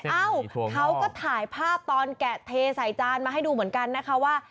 เอ้าเขาก็ถ่ายภาพตอนแกะเทใส่จานมาให้ดูเหมือนกันนะคะว่า